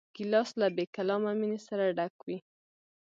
ګیلاس له بېکلامه مینې سره ډک وي.